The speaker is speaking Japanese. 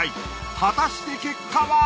果たして結果は！？